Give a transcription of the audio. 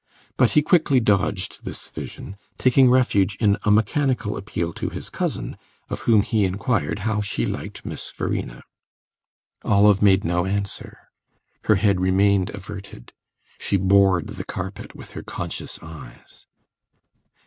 But he quickly dodged this vision, taking refuge in a mechanical appeal to his cousin, of whom he inquired how she liked Miss Verena. Olive made no answer; her head remained averted, she bored the carpet with her conscious eyes.